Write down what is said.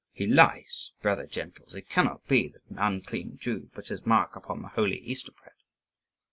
"He lies, brother gentles. It cannot be that an unclean Jew puts his mark upon the holy Easter bread."